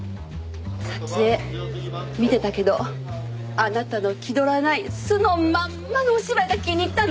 撮影見てたけどあなたの気取らない素のまんまのお芝居が気に入ったの！